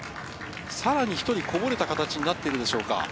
さらに１人、こぼれた形になっているでしょうか。